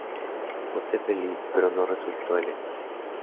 Vote Feliz", pero no resultó electo.